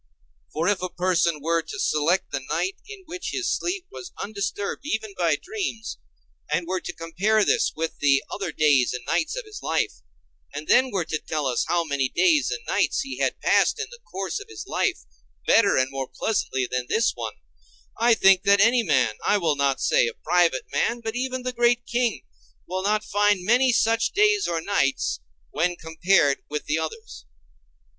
For if a person were to select the night in which his sleep was undisturbed even by dreams, and were to compare with this the other days and nights of his life, and then were to tell us how many days and nights he had passed in the course of his life better and more pleasantly than this one, I think that any man, I will not say a private man, but even the great king, will not find many such days or nights, when compared with the others.